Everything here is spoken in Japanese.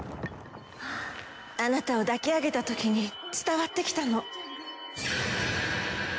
まぁあなたを抱き上げたときに伝わってきたの。